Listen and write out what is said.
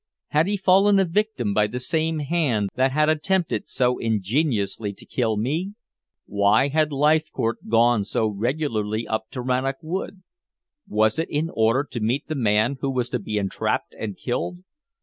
Had he fallen a victim by the same hand that had attempted so ingeniously to kill me? Why had Leithcourt gone so regularly up to Rannoch Wood? Was it in order to meet the man who was to be entrapped and killed?